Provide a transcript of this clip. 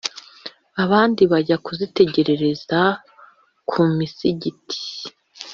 abandi bajya kuzitegerereza ku misigiti